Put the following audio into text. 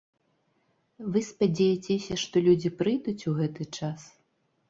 Вы спадзеяцеся, што людзі прыйдуць у гэты час?